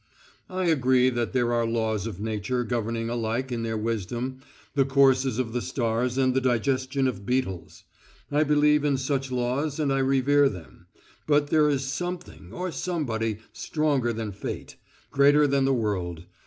I agree that there are laws of Nature governing alike in their wisdom the courses of the stars and the digestion of beetles. I believe in such laws and I revere them. But there is Something or Somebody stronger than Fate, greater than the world.